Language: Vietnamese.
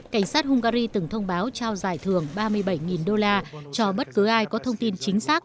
cảnh sát hungary từng thông báo trao giải thưởng ba mươi bảy đô la cho bất cứ ai có thông tin chính xác